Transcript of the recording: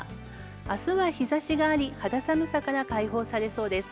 明日は日差しがあり、肌寒さから解放されそうです。